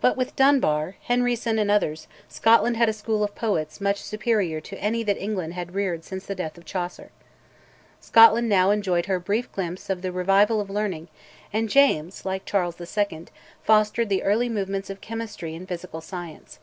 But with Dunbar, Henryson, and others, Scotland had a school of poets much superior to any that England had reared since the death of Chaucer. Scotland now enjoyed her brief glimpse of the Revival of Learning; and James, like Charles II., fostered the early movements of chemistry and physical science.